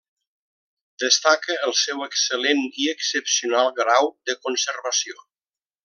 Destaca el seu excel·lent i excepcional grau de conservació.